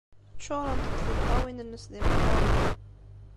Ččuṛent-d tiṭṭawin-nnes d imeṭṭawen.